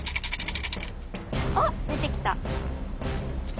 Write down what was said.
あっ出てきた！